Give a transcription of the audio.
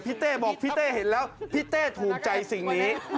เต้บอกพี่เต้เห็นแล้วพี่เต้ถูกใจสิ่งนี้